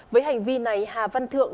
với hành vi này hà văn thượng